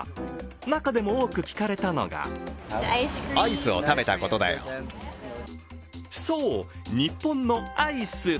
中でも多く聞かれたのがそう、日本のアイス。